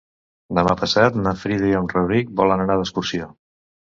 Demà passat na Frida i en Rauric volen anar d'excursió.